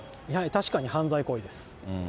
確かに犯罪行為です。